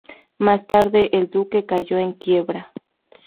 Más tarde, el duque cayó en quiebra.